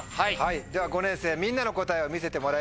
では５年生みんなの答えを見せてもらいましょう。